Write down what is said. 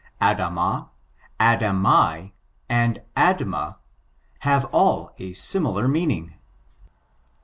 19 Adamah^ Adamij and Admahj have all a similar meaning.